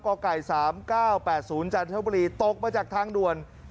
กไก่๓๙๘๐จันทบุรีตกมาจากทางด่วน